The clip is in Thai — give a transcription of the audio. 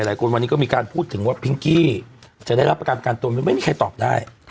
หลายคนวันนี้ก็มีการพูดถึงว่าพิงกี้จะได้รับประกันตัวไม่มีใครตอบได้